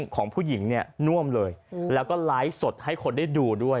ของผู้หญิงเนี่ยน่วมเลยแล้วก็ไลฟ์สดให้คนได้ดูด้วย